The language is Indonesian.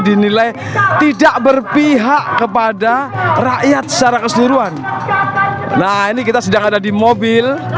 dinilai tidak berpihak kepada rakyat secara keseluruhan nah ini kita sedang ada di mobil